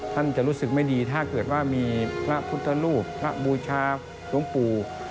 ท่านจะรู้สึกไม่ดีถ้าเกิดว่ามีพระพุทธรูปพระบูชาหลวงปู่